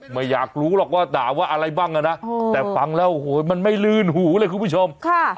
ไม่อยากรู้หรอกว่าด่าว่าอะไรบ้างอ่ะนะแต่ฟังแล้วโอ้โหมันไม่ลื่นหูเลยคุณผู้ชม